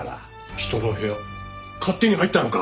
人の部屋勝手に入ったのか！